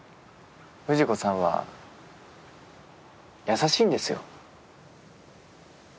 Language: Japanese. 藤子さんは優しいんですよ。